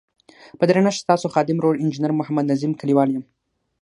په درنښت ستاسو خادم ورور انجنیر محمد نظیم کلیوال یم.